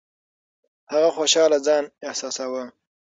هغه خوشاله ځان احساساوه.